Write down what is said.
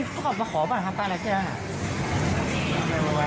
ก็คงมาขอบังคับไปอะไรที่เนี่ย